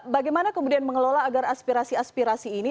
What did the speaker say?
bagaimana kemudian mengelola agar aspirasi aspirasi ini